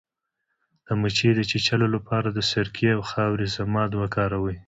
د مچۍ د چیچلو لپاره د سرکې او خاورې ضماد وکاروئ